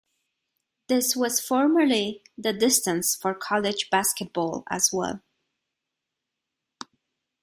This was formerly the distance for college basketball as well.